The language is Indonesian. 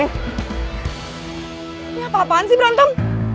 ini apa apaan sih berantem